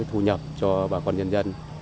thu nhập cho bà con dân dân